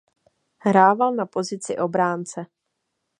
Hrával na pozici obránce.